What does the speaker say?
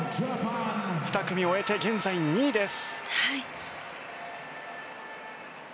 ２組終えて現在２位です。